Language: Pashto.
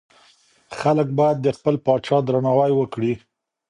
خلګ بايد د خپل پاچا درناوی وکړي.